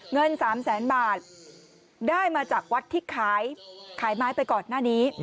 เงิน๓แสนบาทได้มาจากวัดที่ขายไม้ไปก่อนหน้านี้